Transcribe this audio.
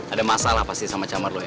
ada masalah pasti sama camber lo ya